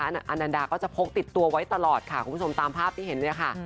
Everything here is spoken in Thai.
อันนันดาก็จะพกติดตัวไว้ตลอดค่ะคุณผู้ชมตามภาพที่เห็นเนี่ยค่ะ